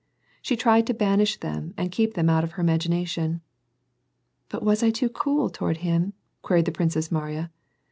She tried to banish them, and keep them out of her imagination. " But was 1 too cool toward him ?" queried the Princess Mariya.